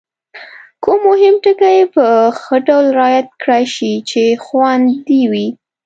کوم مهم ټکي په ښه ډول رعایت کړای شي چې خوندي وي؟